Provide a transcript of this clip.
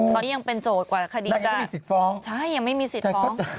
ตอนนี้ยังเป็นโจทย์กว่าคดีจะฟ้องใช่ยังไม่มีสิทธิ์ฟ้อง